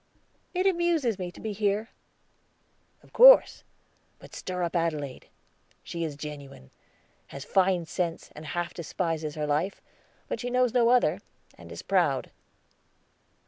"It amuses me to be here." "Of course; but stir up Adelaide, she is genuine; has fine sense, and half despises her life; but she knows no other, and is proud."